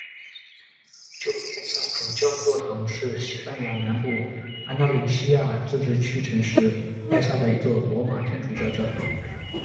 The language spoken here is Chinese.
旧拜萨主教座堂是西班牙南部安达卢西亚自治区城市拜萨的一座罗马天主教教堂。